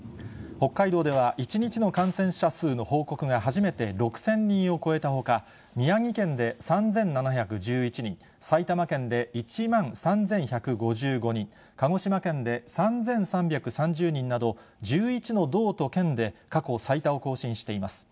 北海道では１日の感染者数の報告が初めて６０００人を超えたほか、宮城県で３７１１人、埼玉県で１万３１５５人、鹿児島県で３３３０人など、１１の道と県で過去最多を更新しています。